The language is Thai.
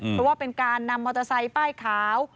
เพราะว่าเป็นการนำมอเตอร์ไซค์ป้ายขาว